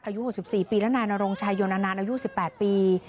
อายุ๖๔ปีและนายนรงชายโยนนานอายุ๑๘ปี